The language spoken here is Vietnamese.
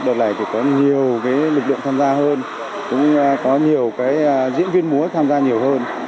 đợt này thì có nhiều lực lượng tham gia hơn cũng có nhiều diễn viên múa tham gia nhiều hơn